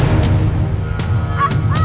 ini baru isinya emas